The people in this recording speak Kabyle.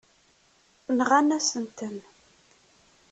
Nɣan-asen-ten.